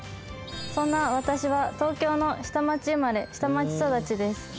「そんな私は東京の下町生まれ下町育ちです」